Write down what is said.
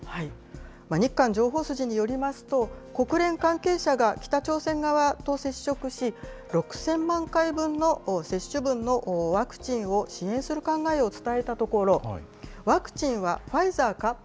日韓情報筋によりますと、国連関係者が北朝鮮側と接触し、６０００万回分の接種分のワクチンを支援する考えを伝えたところ、ワクチンはファイザーか？